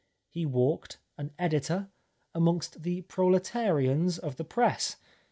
He walked, an editor, amongst the proletarians of the press.